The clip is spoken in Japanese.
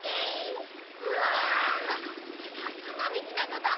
しかくのみちなのだ。